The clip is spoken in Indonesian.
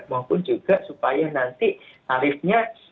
maupun juga supaya nanti tarifnya